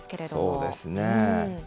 そうですね。